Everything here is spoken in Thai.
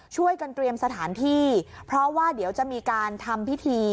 ช่วยกันเตรียมสถานที่เพราะว่าเดี๋ยวจะมีการทำพิธี